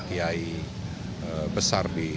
kiai besar di